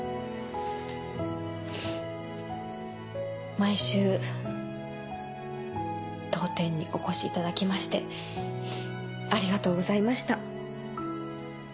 毎週当店にお越しいただきましてありがとうございました。